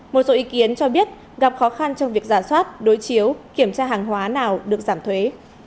một số ý kiến cho biết gặp khó khăn trong việc giả soát đối chiếu kiểm tra hàng hóa nào được giảm thuế